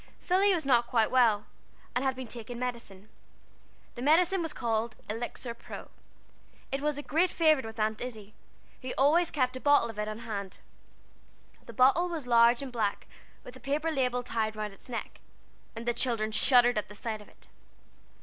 Philly was not quite well, and had been taking medicine. The medicine was called Elixir Pro. It was a great favorite with Aunt Izzie, who kept a bottle of it always on hand. The bottle was large and black, with a paper label tied round its neck, and the children shuddered at the sight of it.